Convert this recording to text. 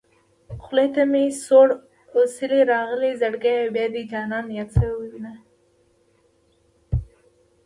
خولې ته مې سوړ اوسېلی راغی زړګيه بيا به دې جانان ياد شوی وينه